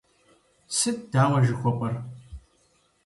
Сыт дауэ жыхуэпӏэр?